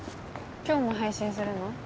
今日も配信するの？